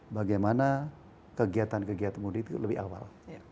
bagaimana kegiatan kegiatan mudik itu lebih awal